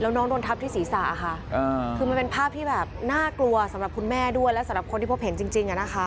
แล้วน้องโดนทับที่ศีรษะค่ะคือมันเป็นภาพที่แบบน่ากลัวสำหรับคุณแม่ด้วยและสำหรับคนที่พบเห็นจริงอะนะคะ